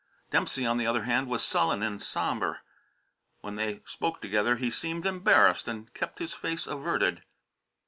Dempsey, on the other hand, was sullen and sombre; when they spoke together he seemed embarrassed and kept his face averted.